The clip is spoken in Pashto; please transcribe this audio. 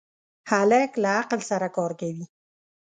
هلک له عقل سره کار کوي.